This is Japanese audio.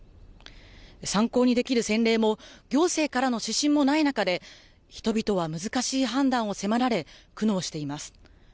参考にできる先例も、行政からの指針もない中で、人々は難しい判断を迫られ、苦悩しています。